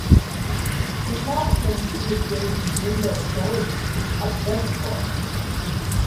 She tells him she is dating Jimbo Jones, which upsets Bart.